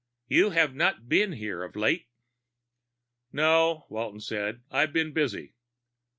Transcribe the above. "You have not been here of late." "No," Walton said. "I've been busy."